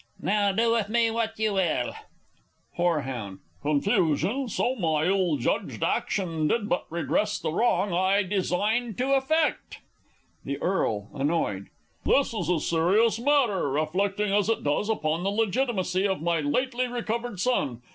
_) Now, do with me what you will! Horeh. Confusion, so my ill judged action did but redress the wrong I designed to effect! The E. (annoyed). This is a serious matter, reflecting as it does upon the legitimacy of my lately recovered son.